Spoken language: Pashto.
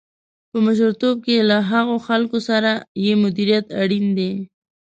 په مشرتوب کې له هغو خلکو سره یې مديريت اړين دی.